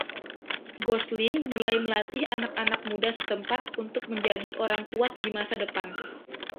Gosling mulai melatih anak-anak muda setempat untuk menjadi orang kuat di masa depan.